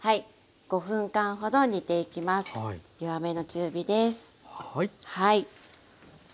５分間ほど煮ていきます。